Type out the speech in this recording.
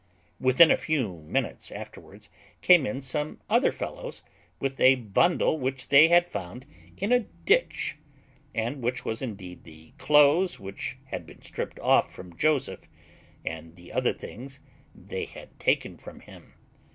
Within a few minutes afterwards came in some other fellows, with a bundle which they had found in a ditch, and which was indeed the cloaths which had been stripped off from Joseph, and the other things they had taken from him.